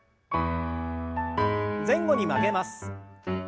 前後に曲げます。